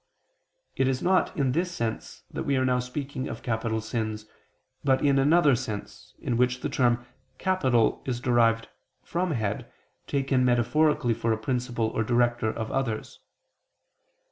It is not in this sense that we are now speaking of capital sins, but in another sense, in which the term "capital" is derived from head, taken metaphorically for a principle or director of others.